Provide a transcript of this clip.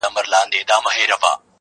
چي د خندا خبري پټي ساتي.